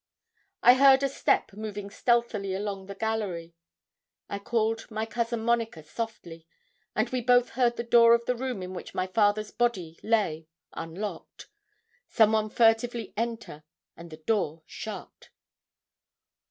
I heard a step moving stealthily along the gallery. I called my cousin Monica softly; and we both heard the door of the room in which my father's body lay unlocked, some one furtively enter, and the door shut.